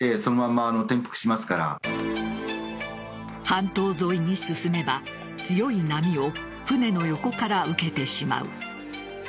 半島沿いに進めば強い波を船の横から受けてしまう。